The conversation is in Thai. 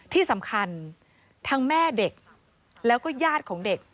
ที่สำคัญทั้งแม่เด็กแล้วก็ญาติของเด็ก